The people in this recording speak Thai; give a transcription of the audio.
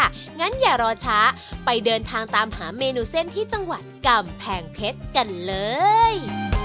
อย่างนั้นอย่ารอช้าไปเดินทางตามหาเมนูเส้นที่จังหวัดกำแพงเพชรกันเลย